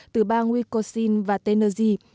từ bang wisconsin và tennessee